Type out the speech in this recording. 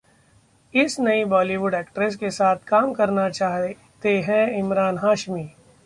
इस नई Bollywood actress के साथ काम करना चाहते हैं इमरान हाशमी